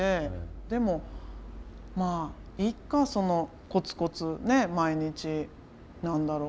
でもまあいっかそのコツコツね毎日何だろう